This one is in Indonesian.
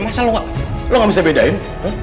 masa lo gak bisa bedain